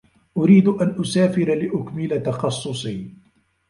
أريد أن أسافر لأكمل تخصّصي.